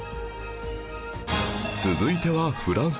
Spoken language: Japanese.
続いてはフランス